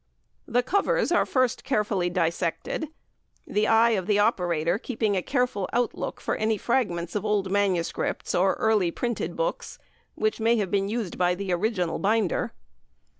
The covers are first carefully dissected, the eye of the operator keeping a careful outlook for any fragments of old MSS. or early printed books, which may have been used by the original binder.